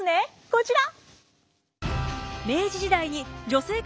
こちら！